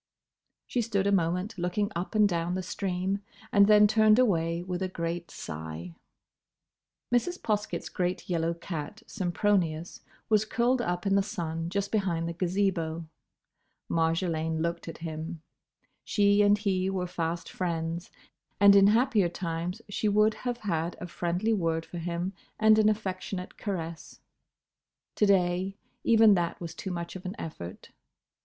She stood a moment looking up and down the stream, and then turned away with a great sigh. Mrs. Poskett's great yellow cat, Sempronius, was curled up in the sun just behind the Gazebo. Marjolaine looked at him. She and he were fast friends, and in happier times she would have had a friendly word for him and an affectionate caress. To day, even that was too much of an effort.